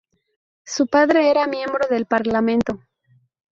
Su padre era miembro del Parlamento.